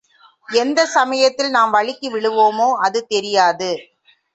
எந்த சமயத்தில் நாம் வழுக்கிவிழுவோமோ அது தெரியாது.